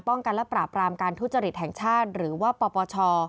กันและปราบรามการทุจริตแห่งชาติหรือว่าปปช